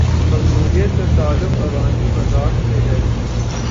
مقبولیت کا تعلق عوامی مذاق سے ہے۔